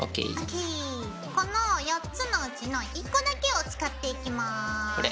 この４つのうちの１個だけを使っていきます。